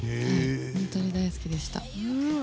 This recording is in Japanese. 本当に大好きでした。